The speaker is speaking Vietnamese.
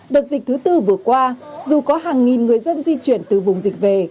đợt dịch thứ tư vừa qua dù có hàng nghìn người dân di chuyển từ vùng dịch về